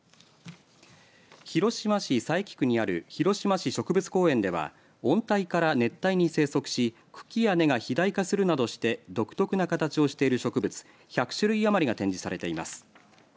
広島市佐伯区にある広島市植物公園では温帯から熱帯に生息し茎や根が肥大化するなどして独特な形をしている植物１００種類余りが展示されています。